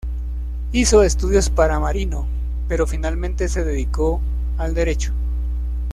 Hizo estudios para marino, pero finalmente se dedicó al derecho.